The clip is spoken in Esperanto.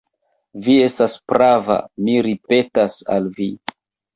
Vi estas prava, mi ripetas al vi.